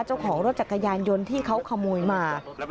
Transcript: เจ้าของรถจักรยานยนต์ที่เขาขโมยมา